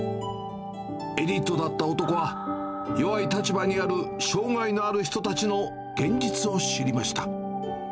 エリートだった男は、弱い立場にある障がいのある人たちの現実を知りました。